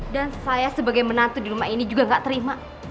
dan saya sebagai menantu di rumah ini juga gak terima